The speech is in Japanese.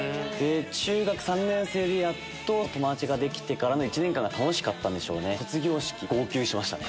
中学３年生でやっと友達ができて１年間が楽しかったんでしょうね。